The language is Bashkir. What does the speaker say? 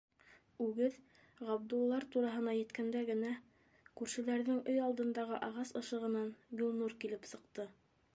Үгеҙ Ғабдуллалар тураһына еткәндә генә, күршеләрҙең өй алдындағы ағас ышығынан Гөлнур килеп сыҡты.